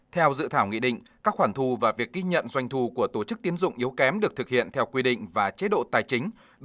theo dự thảo nghị định các khoản thu và việc ghi nhận doanh thu của tổ chức tiến dụng yếu kém được thực hiện theo quy định và chế độ tài chính